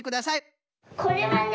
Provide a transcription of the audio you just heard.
これはね